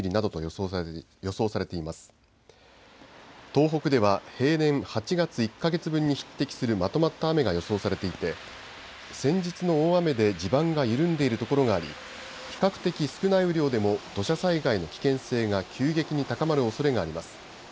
東北では平年８月１か月分に匹敵するまとまった雨が予想されていて先日の大雨で地盤が緩んでいるところがあり比較的少ない雨量でも土砂災害の危険性が急激に高まるおそれがあります。